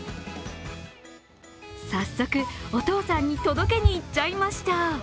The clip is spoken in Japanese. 早速、お父さんに届けにいっちゃいました。